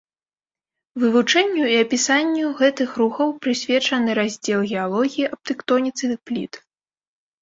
Вывучэнню і апісанню гэтых рухаў прысвечаны раздзел геалогіі аб тэктоніцы пліт.